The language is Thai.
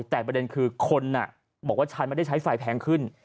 แต่ประเด็นคือคนบอกว่าฉันไม่ได้ใช้ไฟแพงขึ้น